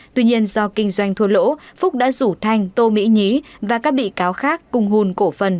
tuy nhiên do kinh doanh thua lỗ phúc đã rủ thanh tô mỹ nhí và các bị cáo khác cùng hùn cổ phần